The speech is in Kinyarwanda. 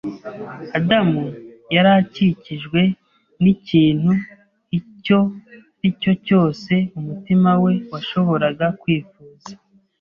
Adamu yari akikijwe n’ikintu icyo ari cyo cyose umutima we washoboraga kwifuza